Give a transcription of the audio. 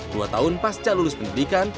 dua tahun pasca lulus pendidikan